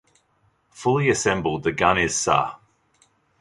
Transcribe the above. Fully assembled the gun is ca.